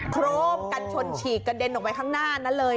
โครมกันชนฉีกกระเด็นออกไปข้างหน้านั้นเลย